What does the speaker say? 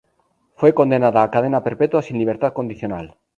Fue condenada a cadena perpetua sin libertad condicional.